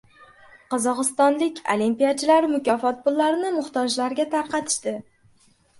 Qozog‘istonlik olimpiyachilar mukofot pullarini muhtojlarga tarqatishdi